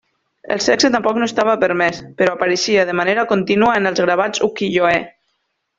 El sexe tampoc no estava permès, però apareixia de manera contínua en els gravats ukiyo-e.